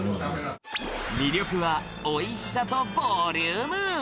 魅力はおいしさとボリューム。